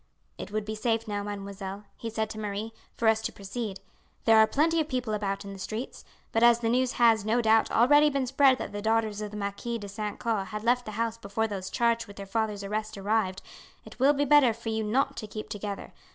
"It would be safe now, mademoiselle," he said to Marie, "for us to proceed. There are plenty of people about in the streets; but as the news has, no doubt, already been spread that the daughters of the Marquis de St. Caux had left the house before those charged with their father's arrest arrived, it will be better for you not to keep together.